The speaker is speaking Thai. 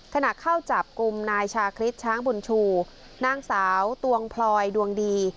ขณะเข้าจับกลุ่มนายชาคริสช้างบุญชูนางสาวตวงพลอยดวงดี